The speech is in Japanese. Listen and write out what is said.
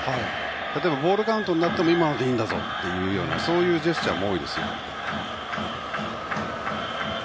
例えばボールカウントになっても今のでいいんだぞみたいなそういうジェスチャーも多いですよ。